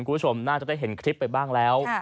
คุณผู้ชมน่าจะได้เห็นคลิปไปบ้างแล้ว